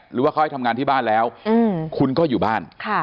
หรือว่าเขาให้ทำงานที่บ้านแล้วคุณก็อยู่บ้าน